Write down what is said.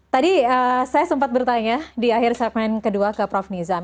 tadi saya sempat bertanya di akhir segmen kedua ke prof nizam